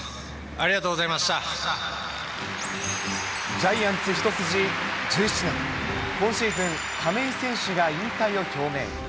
ジャイアンツ一筋１７年、今シーズン、亀井選手が引退を表明。